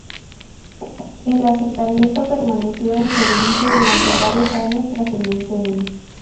El asentamiento permaneció en servicio durante varios años tras el incendio.